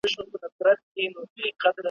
او یوازي په دې لوی کور کي تنهاده `